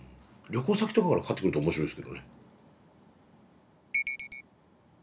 旅行先とかからかかってくると面白いですけどね。